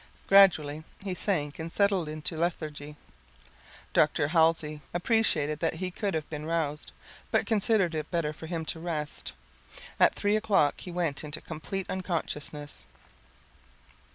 Gradually he sank and settled into a lethargy. Dr. Halsey appreciated that he could have been roused, but considered it better for him to rest. At 3 o'clock he went into complete unconsciousness.